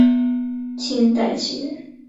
清代琴人。